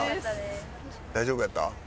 大丈夫やった？